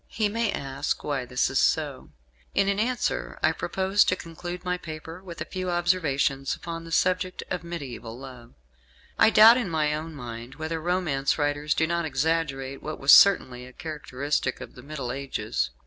He may ask why this was so; and in answer I propose to conclude my paper with a few observations upon the subject of mediaeval love. I doubt in my own mind whether romance writers do not exaggerate what was certainly a characteristic of the Middle Ages.